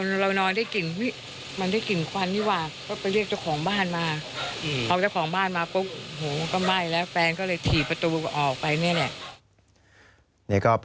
แล้วก็ลุกลามไปยังตัวผู้ตายจนถูกไฟคลอกนะครับ